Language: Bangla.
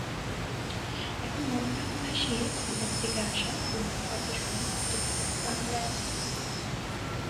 এখন মন-প্রাণ ভাসিয়ে বিলেত থেকে আসা দুনিয়ার কথা শুনুন কিন্তু বাংলায়।